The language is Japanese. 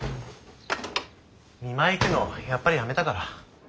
見舞い行くのやっぱりやめたから。